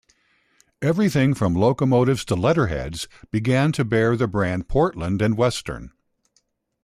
Everything from locomotives to letterheads began to bear the brand Portland and Western.